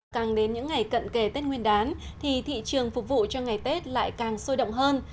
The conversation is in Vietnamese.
càng đến những ngày cận kề tết nguyên đán thì thị trường phục vụ cho ngày tết lại càng sôi động hơn